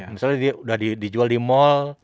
misalnya dia udah dijual di mall